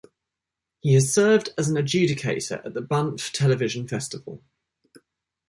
He has served as an adjudicator at the Banff Television Festival.